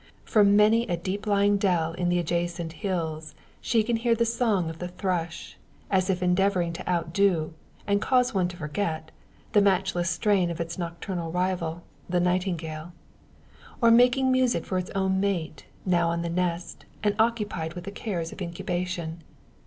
From many a deep lying dell in the adjacent hills she can hear the song of the thrush, as if endeavouring to outdo, and cause one to forget, the matchless strain of its nocturnal rival, the nightingale; or making music for its own mate, now on the nest, and occupied with the cares of incubation.